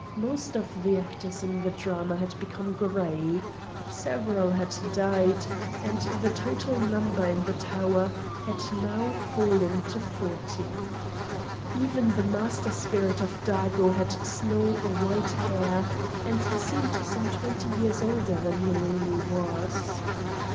Most of the actors in the drama had become grey. Several had died, and the total number in the tower had now fallen to forty. Even the master spirit of Dago had snow white hair, and seemed some twenty years older than he really was.